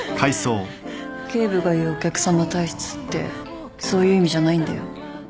警部が言うお客さま体質ってそういう意味じゃないんだよ